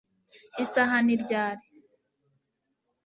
Isaha ni ryari